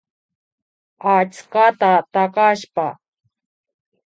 Achskata takashpa